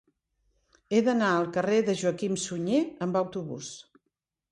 He d'anar al carrer de Joaquim Sunyer amb autobús.